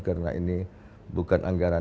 karena ini bukan anggaran